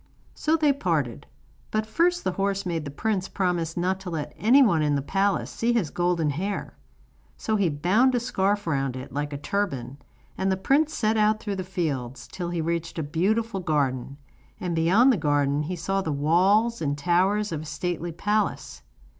So they parted; but first the horse made the prince promise not to let anyone in the palace see his golden hair. So he bound a scarf round it, like a turban, and the prince set out through the fields, till he reached a beautiful garden, and beyond the garden he saw the walls and towers of a stately palace.